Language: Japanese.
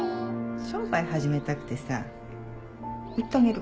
商売始めたくてさ売ったげる